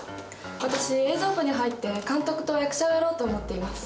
私映像部に入って監督と役者をやろうと思っています。